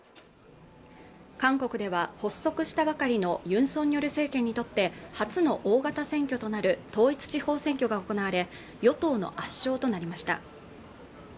韓国では発足したばかりのユン・ソンニョル政権にとって初の大型選挙となる統一地方選挙が行われ与党の圧勝となりました